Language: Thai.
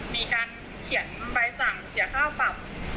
มีการเขียนใบสั่งเสียค่าปรับ